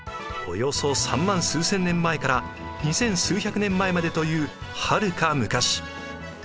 およそ３万数千年前から２千数百年前までというはるか昔。